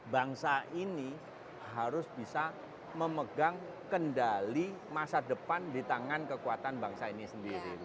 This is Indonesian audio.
bangsa ini harus bisa memegang kendali masa depan di tangan kekuatan bangsa ini sendiri